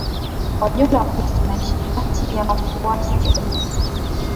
Kwa jumla Wakristo wanaishi kati ya wafuasi wa dini nyingine